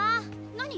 何？